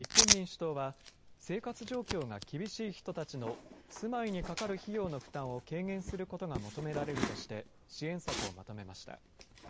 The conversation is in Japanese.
格差を是正するため、立憲民主党は、生活状況が厳しい人たちの住まいにかかる費用の負担を軽減することが求められるとして、支援策をまとめました。